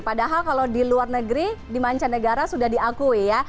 padahal kalau di luar negeri di mancanegara sudah diakui ya